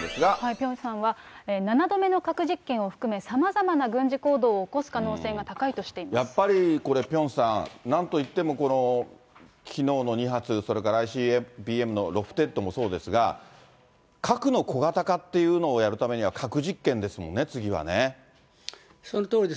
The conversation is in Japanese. ピョンさんは、７度目の核実験を含め、さまざまな軍事行動をやっぱりこれ、ピョンさん、なんと言ってもきのうの２発、それからＩＣＢＭのロフテッドもそうですが、核の小型化っていうのをやるためには、そのとおりですね。